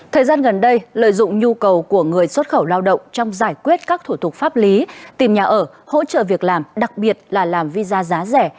thời gian gần đây lợi dụng nhu cầu của người xuất khẩu lao động trong giải quyết các thủ tục pháp lý tìm nhà ở hỗ trợ việc làm đặc biệt là làm visa giá rẻ